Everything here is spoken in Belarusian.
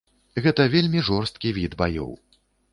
Гэта вельмі жорсткі від баёў.